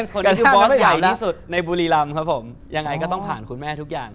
คนนี้คือบอสใหญ่ที่สุดในบุรีรำครับผมยังไงก็ต้องผ่านคุณแม่ทุกอย่าง